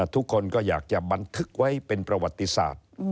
ทุกคนก็อยากจะบันทึกไว้เป็นประวัติศาสตร์